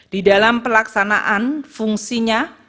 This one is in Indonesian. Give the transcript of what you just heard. di dalam pelaksanaan fungsinya